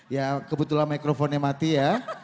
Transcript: ya kebetulan mikrofonnya mati ya